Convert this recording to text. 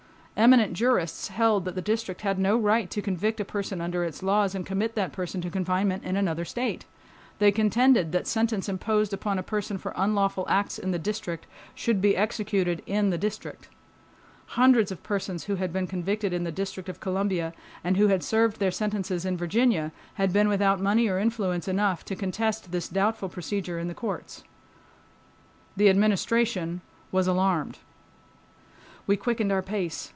Eminent jurists held that the District had no right to convict a person under its laws and commit that person to confinement in another state. They contended that sentence imposed upon a person for unlawful acts in the District should be executed in the District. Hundreds of persons who had been convicted in the District of Columbia and who had served their sentences in Virginia had been without money or influence enough to contest this doubtful procedure in the courts. The Administration was alarmed. We quickened our pace.